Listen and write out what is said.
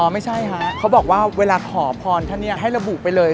ไม่ใช่ฮะเขาบอกว่าเวลาขอพรท่านเนี่ยให้ระบุไปเลย